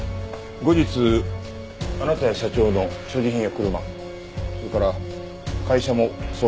後日あなたや社長の所持品や車それから会社も捜索させてもらいます。